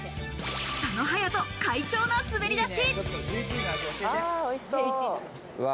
佐野勇斗、快調な滑り出し。